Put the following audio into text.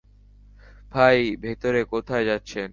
ভাই, ভেতরে কোথায় যাচ্ছেন?